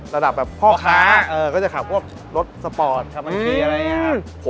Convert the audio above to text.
ระดับแบบพ่อค้าก็จะขับพวกรถสปอร์ตขับบัญชีอะไรอย่างนี้ครับ